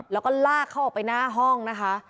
แล้วก็ลากเขาออกไปหน้าห้องนะคะ